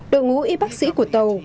đội ngũ y bác sĩ của tàu